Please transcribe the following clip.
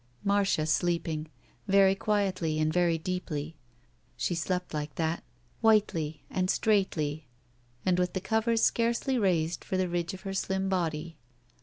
Marcia sleeping. Very quietly and very deeply. She slept like that. Whitely and straightly and with the covers scarcely raised for the ridge of her slim body.